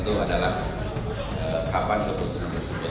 jadi musyawarah paling tinggi salah satu agenda yang ditunggu tunggu masyarakat